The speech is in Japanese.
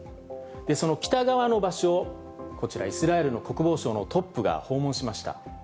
その北側の場所、こちら、イスラエルの国防省のトップが訪問しました。